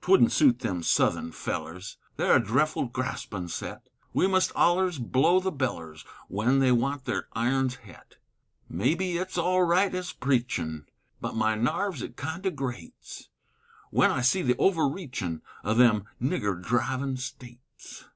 'Twouldn't suit them Southun fellers, They're a dreffle graspin' set, We must ollers blow the bellers Wen they want their irons het; May be it's all right ez preachin', But my narves it kind o' grates, Wen I see the overreachin' O' them nigger drivin' States.